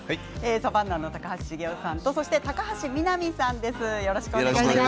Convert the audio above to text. サバンナの高橋茂雄さんと高橋みなみさんです。